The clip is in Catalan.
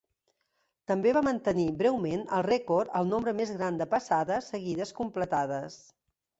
També va mantenir breument el rècord al nombre més gran de passades seguides completades.